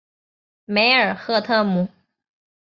梅尔赫特姆。